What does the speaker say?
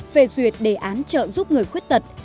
về duyệt đề án trợ giúp người khuyết tật